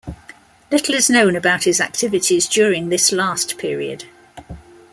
Little is known about his activities during this last period.